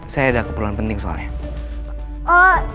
saya ada keperluan penting soalnya